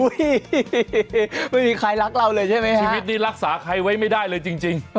ไม่มีใครรักเราเลยใช่ไหมชีวิตนี้รักษาใครไว้ไม่ได้เลยจริง